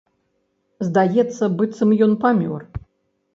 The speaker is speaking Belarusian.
Здаецца, быццам ён памёр.